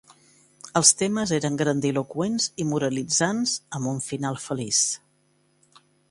Els temes eren grandiloqüents i moralitzants, amb un final feliç.